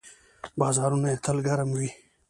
بازارونه یې تل ګرم وي.